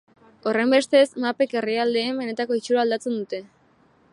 Horrenbestez, mapek herrialdeen benetako itxura aldatzen dute.